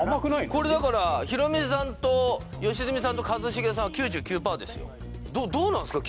これだからヒロミさんと良純さんと一茂さんは９９％ですよどどうなんですか？